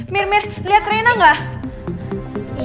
mir mir liat reina gak